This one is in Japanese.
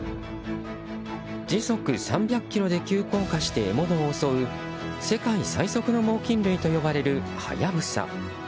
時速３００キロで急降下して獲物を襲う世界最速の猛禽類と呼ばれるハヤブサ。